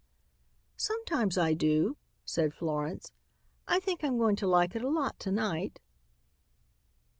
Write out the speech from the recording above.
"Sometimes I do," said Florence. "I think I'm going to like it a lot to night."